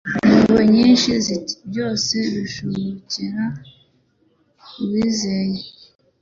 impuhwe nyinshi ati : "byose bishobokera uwizeye."